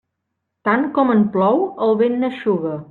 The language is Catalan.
Tant com en plou, el vent n'eixuga.